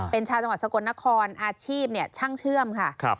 เป็นชาวจังหวัดสกลนครอาชีพช่างเชื่อมค่ะ